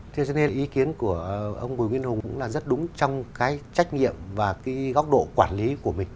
thế nên ý kiến của ông bùi nguyên hùng cũng rất đúng trong trách nhiệm và góc độ quản lý của mình